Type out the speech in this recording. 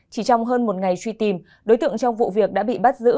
chỉ trong hơn một ngày truy tìm đối tượng trong vụ việc đã bị bắt giữ